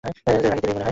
রাগের দেবীর মনেহয়।